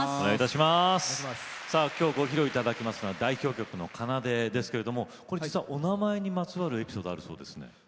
きょうご披露いただきますのは代表曲の「奏」ですけども実は、これお名前にまつわるエピソードあるそうですね。